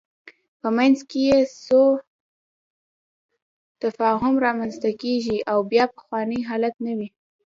په منځ کې یې سوء تفاهم رامنځته کېږي او بیا پخوانی حالت نه وي.